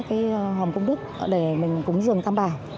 các cái hòm công đức để mình cúng dường tam bảo